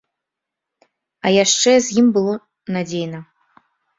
А яшчэ з ім было надзейна.